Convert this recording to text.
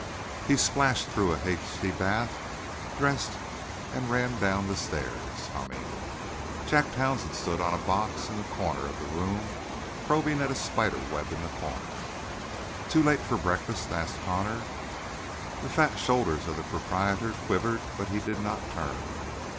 He splashed through a hasty bath, dressed, and ran down the stairs, humming. Jack Townsend stood on a box in the corner of the room, probing at a spider web in the corner. "Too late for breakfast?" asked Connor. The fat shoulders of the proprietor quivered, but he did not turn.